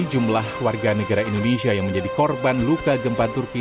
jumlah warga negara indonesia yang menjadi korban luka gempa turki